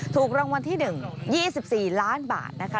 ถูกรางวัลที่๑๒๔ล้านบาทนะคะ